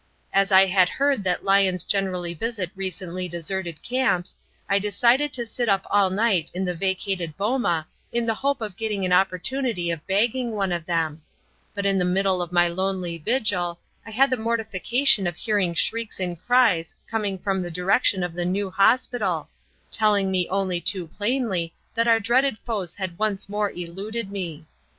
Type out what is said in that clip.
As I had heard that lions generally visit recently deserted camps, I decided to sit up all night in the vacated boma in the hope of getting an opportunity of bagging one of them; but in the middle of my lonely vigil I had the mortification of hearing shrieks and cries coming from the direction of the new hospital, telling me only too plainly that our dreaded foes had once more eluded me.